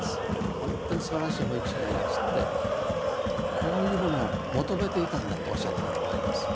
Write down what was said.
ほんとにすばらしい保育者がいらしてこういうものを求めていたんだとおっしゃった方もあります。